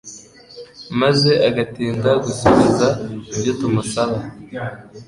maze agatinda gusubiza ibyo tumusaba